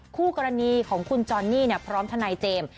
คู่กรณีของคุณจอนนี่พร้อมทนายเจมส์